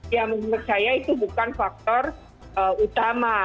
ya menurut saya itu bukan faktor utama